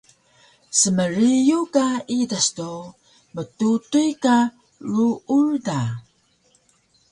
Smriyu ka idas do mtutuy ka ruur da